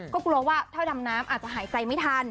ก็กลัวว่าถ้าดำน้ำอาจจะหายใจไม่ทัน